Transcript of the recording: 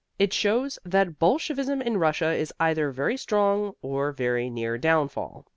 It shows that Bolshevism in Russia is either very strong or very near downfall.